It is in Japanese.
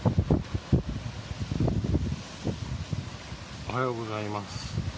おはようございます。